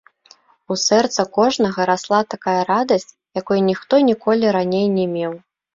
У сэрца кожнага расла такая радасць, якой ніхто ніколі раней не меў.